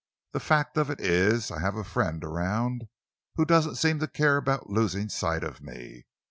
"The fact of it is, I have a friend around who doesn't seem to care about losing sight of me.